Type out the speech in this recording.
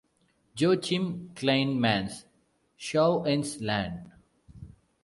Joachim Kleinmanns: Schau ins Land.